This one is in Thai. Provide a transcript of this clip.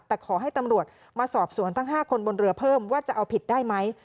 แต่ขอให้ตำรวจมาสอบสวนทั้ง๕คนบนเรือเพิ่มว่าจะเอาผิดได้ไหม